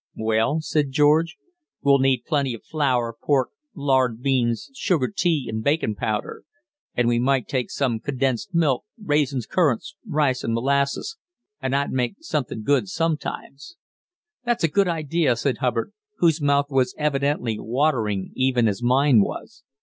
"Well," said George, "we'd need plenty of flour, pork, lard, beans, sugar, tea, and bakin' powder; and we might take some condensed milk, raisins, currants, rice, and molasses, and I'd make somethin' good sometimes." "That's a good idea," said Hubbard, whose mouth was evidently watering even as mine was.